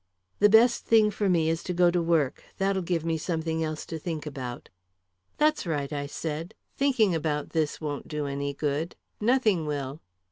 "The best thing for me is to go to work. That'll give me something else to think about." "That's right," I said. "Thinking about this won't do any good nothing will."